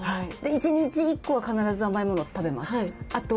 １日１個は必ず甘い物を食べます。